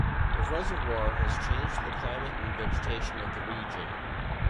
The reservoir has changed the climate and vegetation of the region.